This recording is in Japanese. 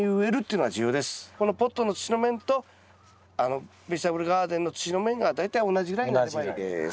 このポットの土の面とベジタブルガーデンの土の面が大体同じぐらいになればいいです。